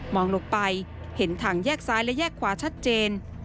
ลงไปเห็นทางแยกซ้ายและแยกขวาชัดเจน